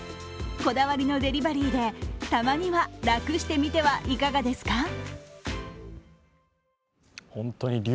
こだわりのデリバリーでたまには楽してみてはいかがですか？